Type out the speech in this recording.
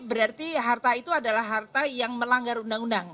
berarti harta itu adalah harta yang melanggar undang undang